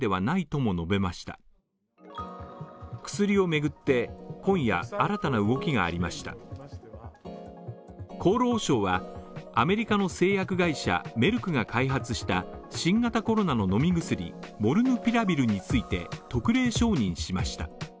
もう厚労省はアメリカの製薬会社メルクが開発した新型コロナの飲み薬モルヌピラビルについて、特例承認しました。